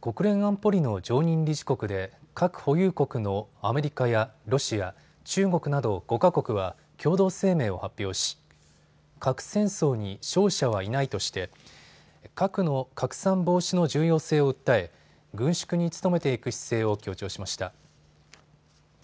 国連安保理の常任理事国で核保有国のアメリカやロシア、中国など５か国は共同声明を発表し、核戦争に勝者はいないとして核の拡散防止の重要性を訴え軍縮に努めていく姿勢を強調しました。